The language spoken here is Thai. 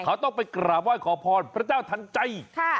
เขาต้องไปกราบไหว้ขอพรพระเจ้าทันใจ